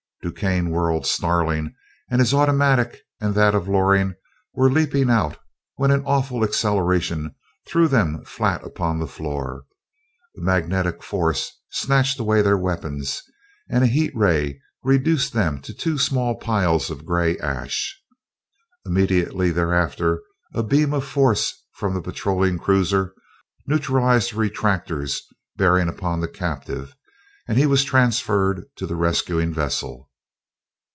DuQuesne whirled, snarling, and his automatic and that of Loring were leaping out when an awful acceleration threw them flat upon the floor, a magnetic force snatched away their weapons, and a heat ray reduced them to two small piles of gray ash. Immediately thereafter a beam of force from the patrolling cruiser neutralized the retractors bearing upon the captive, and he was transferred to the rescuing vessel.